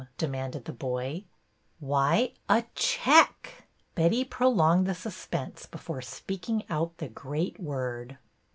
demanded the boy. Why, a — check !" Betty prolonged the suspense before speaking out the great word.